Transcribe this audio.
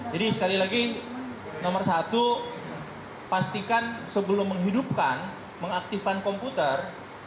jadi sekali lagi nomor satu pastikan sebelum menghidupkan mengaktifkan komputer